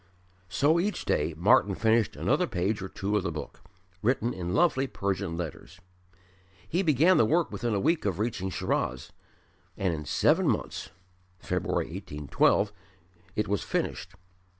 So each day Martyn finished another page or two of the book, written in lovely Persian letters. He began the work within a week of reaching Shiraz, and in seven months (February, 1812) it was finished.